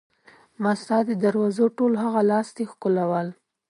ما ستا د دروازو ټول هغه لاستي ښکلول.